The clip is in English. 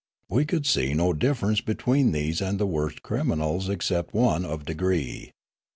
We could see no difference between these and the worst criminals except one of degree.